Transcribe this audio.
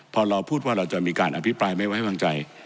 พอเราพูดว่าเราจะมีการอภิปรายไม่ไว้วางใจ